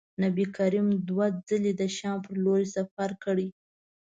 نبي کریم دوه ځلي د شام پر لوري سفر کړی.